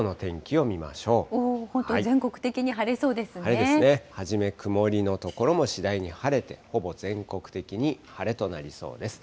本当、全国的に晴れそうです晴れですね、はじめ曇りの所も、次第に晴れて、ほぼ全国的に晴れとなりそうです。